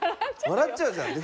笑っちゃうじゃんね。